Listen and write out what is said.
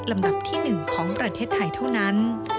ลำดับที่๑ของประเทศไทยเท่านั้น